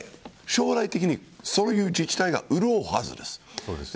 将来的にそういう自治体が潤うはずです。